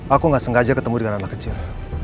aku nggak sengaja ketemu dengan anak kecil